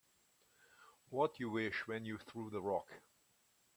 What'd you wish when you threw that rock?